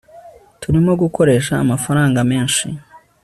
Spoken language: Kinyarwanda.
turimo gukoresha amafaranga menshi